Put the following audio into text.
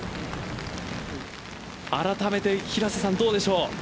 あらためて平瀬さん、どうでしょう？